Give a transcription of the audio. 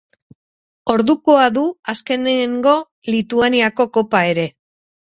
Ordukoa du azkenengo Lituaniako Kopa ere.